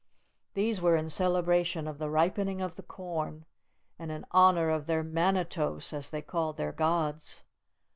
These were in celebration of the ripening of the corn, and in honour of their Manitos, as they called their gods.